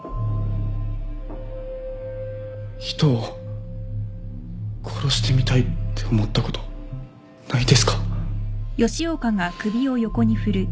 人を殺してみたいって思ったことないですか？